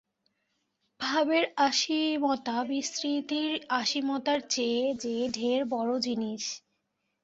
ভাবের আসীমতা বিস্তৃতির আসীমতার চেয়ে যে ঢের বড়ো জিনিস।